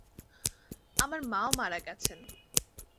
আমার মা-ও মারা গেছেন।